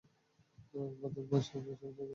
এক ভাদাইম্মার সাথে সর্বত্র ঘুরে বেড়িয়েছে।